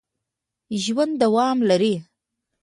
ژوند دوام لري